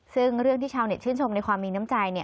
ซึ่งเรื่องที่ชาวเน็ตชื่นชมในความมีน้ำใจ